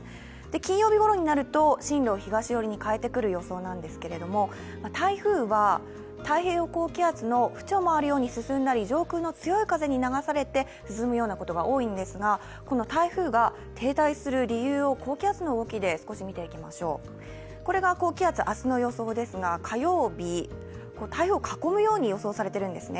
金曜日ごろになると進路を東寄りに変えてくる予想なんですけれども台風は太平洋高気圧の縁を回るように進んだり上空の強い風に流されて進むようなことが多いんですが、この台風が停滞する理由を高気圧の動きで少し見ていきましょう、これが高気圧、明日の予想ですが、火曜日台風を囲むように予想されているんですね。